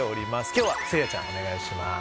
今日はせいやちゃんお願いします。